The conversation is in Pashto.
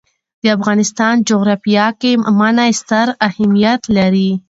د افغانستان جغرافیه کې منی ستر اهمیت لري.